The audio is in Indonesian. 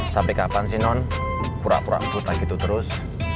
sampai kapan sih non pura pura angkutan gitu terus